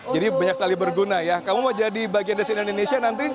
jadi banyak sekali berguna ya kamu mau jadi bagian dari cnn indonesia nanti